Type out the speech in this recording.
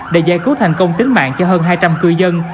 để giải cứu thành công tính mạng cho hơn hai trăm linh cư dân